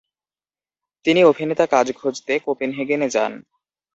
তিনি অভিনেতা কাজ খোঁজতে কোপেনহেগেনে যান।